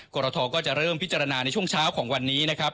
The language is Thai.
กตก็จะเริ่มพิจารณาในช่วงเช้าของวันนี้